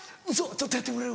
ちょっとやってくれる？